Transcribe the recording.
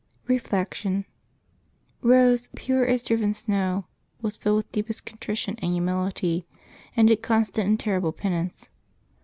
Reflection. — Rose, pure as driven snow, was filled with deepest contrition and humility, and did constant and terrible penance.